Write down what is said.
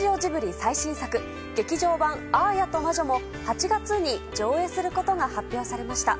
最新作「劇場版アーヤと魔女」も８月に上映することが発表されました。